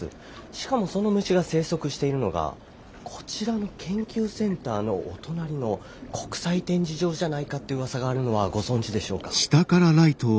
しかもその虫が生息しているのがこちらの研究センターのお隣の国際展示場じゃないかってうわさがあるのはご存じでしょうか。